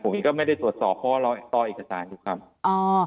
ผมก็ไม่ได้ตรวจสอบเพราะเราต่อเอกสารทุกคำ